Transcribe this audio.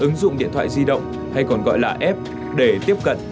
ứng dụng điện thoại di động hay còn gọi là app để tiếp cận